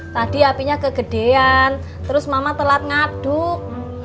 tadi apinya kegedean terus mama telat ngaduk